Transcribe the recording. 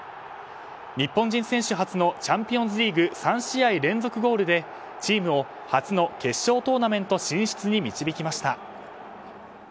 日本人選手初のチャンピオンズリーグ３試合連続ゴールでチームを初の決勝トーナメント進出に導きました。